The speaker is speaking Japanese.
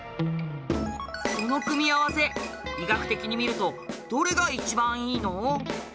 その組み合わせ医学的に見るとどれが一番いいの？